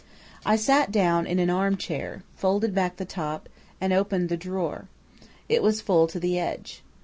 "I sat down in an arm chair, folded back the top, and opened the drawer. It was full to the edge.